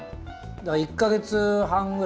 だから１か月半ぐらい？